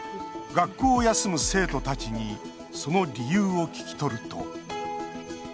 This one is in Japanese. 学校を休む生徒たちにその理由を聞き取ると。